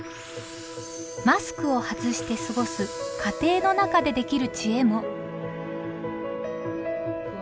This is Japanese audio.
マスクを外して過ごす家庭の中でできるチエも。